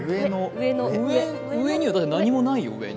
上には何もないよ？